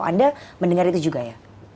anda mendengar itu juga ya